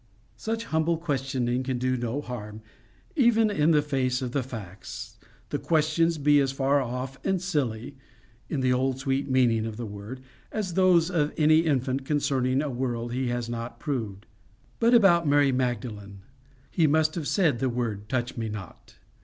Such humble questioning can do no harm, even if, in face of the facts, the questions be as far off and SILLY in the old sweet meaning of the word as those of any infant concerning a world he has not proved. But about Mary Magdalene: He must have said the word TOUCH ME NOT.